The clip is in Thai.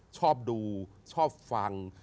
ชอบดูชอบฟัง